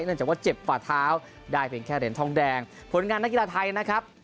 จากว่าเจ็บฝ่าเท้าได้เพียงแค่เหรียญทองแดงผลงานนักกีฬาไทยนะครับ